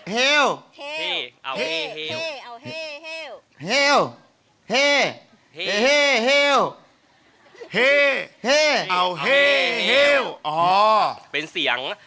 หี้ว